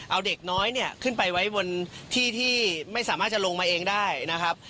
เอาเด็กน้อยเนี่ยขึ้นไปไว้บนที่ที่ไม่สามารถจะลงมาเองได้นะครับ